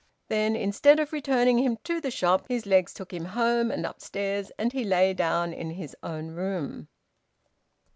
Then, instead of returning him to the shop, his legs took him home and upstairs, and he lay down in his own room.